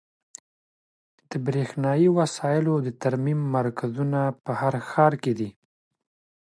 د برښنایي وسایلو د ترمیم مرکزونه په هر ښار کې شته.